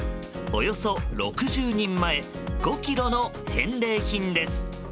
およそ６０人前５ｋｇの返礼品です。